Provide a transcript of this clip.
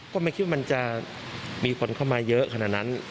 ก็ไม่คิดว่ามันจะมีคนเข้ามาเยอะขนาดนั้น